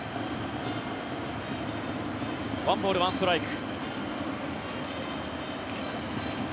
１ボール１ストライク。